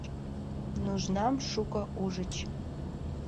Нужнам шуко ужыч.